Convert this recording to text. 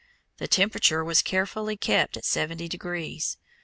The temperature was carefully kept at 70 degrees.